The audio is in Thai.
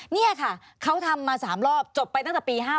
นี่ค่ะเขาทำมา๓รอบจบไปตั้งแต่ปี๕๗